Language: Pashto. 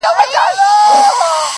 د چا د ويښ زړگي ميسج ننوت!!